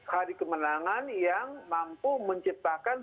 hari kemenangan yang mampu menciptakan